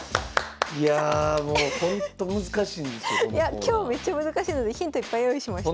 今日めっちゃ難しいのでヒントいっぱい用意しました。